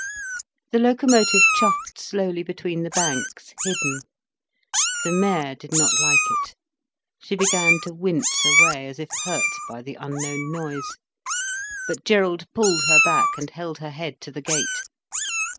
The locomotive chuffed slowly between the banks, hidden. The mare did not like it. She began to wince away, as if hurt by the unknown noise. But Gerald pulled her back and held her head to the gate.